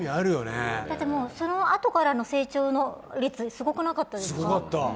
だって、そのあとからの成長の率、すごくなかったですか。